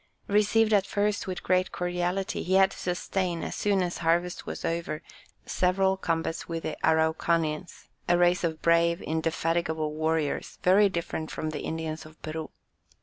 Received at first with great cordiality, he had to sustain, as soon as harvest was over, several combats with the Araucanians, a race of brave, indefatigable warriors, very different from the Indians of Peru.